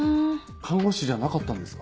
看護師じゃなかったんですか？